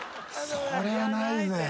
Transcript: そりゃないぜ。